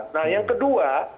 nah yang kedua